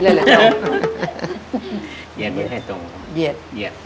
เหยียด